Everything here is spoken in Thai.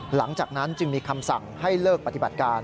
หลังจากนั้นจึงมีคำสั่งให้เลิกปฏิบัติการ